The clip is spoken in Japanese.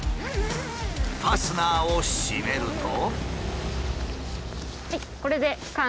ファスナーを閉めると。